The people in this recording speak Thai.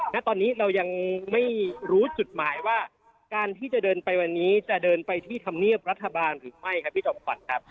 ณตอนนี้เรายังไม่รู้จุดหมายว่าการที่จะเดินไปวันนี้จะเดินไปที่ธรรมเนียบรัฐบาลหรือไม่ครับพี่จอมขวัญครับ